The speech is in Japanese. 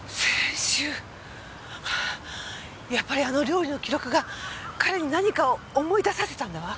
やっぱりあの料理の記録が彼に何かを思い出させたんだわ。